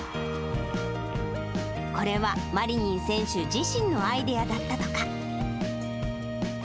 これはマリニン選手自身のアイデアだったとか。